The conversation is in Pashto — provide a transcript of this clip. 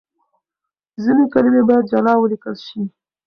ځينې کلمې بايد جلا وليکل شي.